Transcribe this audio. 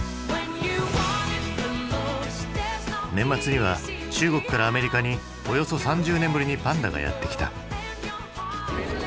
年末には中国からアメリカにおよそ３０年ぶりにパンダがやって来た。